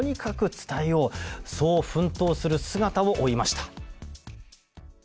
そう奮闘する姿を追いました。